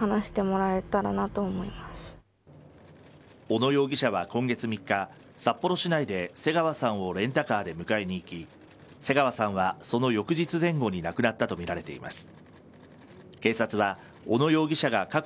小野容疑者は今月３日札幌市内で瀬川さんをレンタカーで迎えに行き瀬川さんはその翌日前後に亡くなったとみられています。